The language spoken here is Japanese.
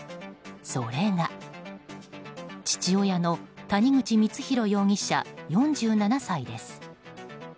それが、父親の谷口光弘容疑者、４７歳です。